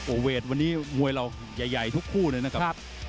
โอ้โหเวทวันนี้มวยเราใหญ่ทุกคู่เลยนะครับ